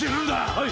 はい！